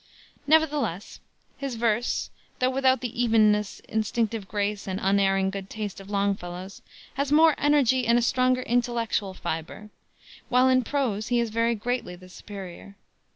Nevertheless his verse, though without the evenness, instinctive grace, and unerring good taste of Longfellow's, has more energy and a stronger intellectual fiber; while in prose he is very greatly the superior.